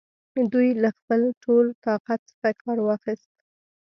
دوی له خپل ټول طاقت څخه کار واخیست.